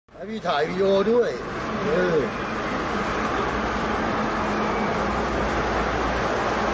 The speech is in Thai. แล้วพี่ถ่ายวีดีโอด้วยเออ